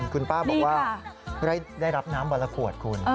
คุณป้าบอกว่าได้รับน้ำวันละขวดคุณ